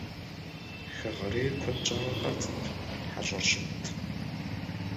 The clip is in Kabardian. Хэгъэрейр куэд щӀауэ къэтт, хьэщӏэхэр щымт.